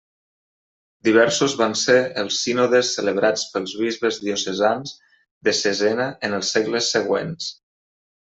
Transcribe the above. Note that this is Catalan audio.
Diversos van ser els sínodes celebrats pels bisbes diocesans de Cesena en els segles següents.